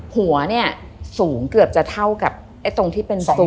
หัวเนี่ยสูงเกือบจะเท่ากับไอ้ตรงที่เป็นศพ